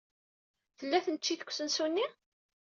Tella tneččit deg usensu-nni?